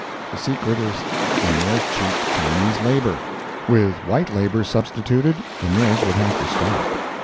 The secret is in their cheap Chinese labor. With white labor substituted the mills would have to stop.